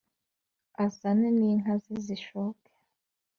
azane n’ inka ze zishoke.